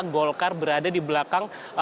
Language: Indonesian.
golkar berada di belakang